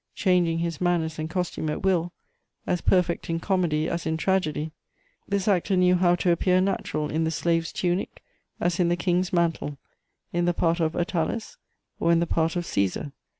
Changing his manners and costume at will, as perfect in comedy as in tragedy, this actor knew how to appear natural in the slave's tunic as in the king's mantle, in the part of Attalus or in the part of Cæsar.